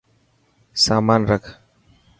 سامان رک.